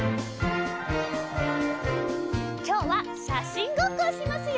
きょうはしゃしんごっこをしますよ。